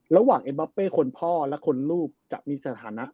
ระหว่างเอ็มบัปเป้คนพ่อและคนลูกจะมีสถานะ